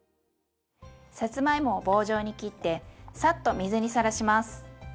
さつまいもは棒状に切ってサッと水にさらします。